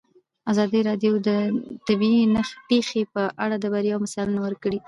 ازادي راډیو د طبیعي پېښې په اړه د بریاوو مثالونه ورکړي.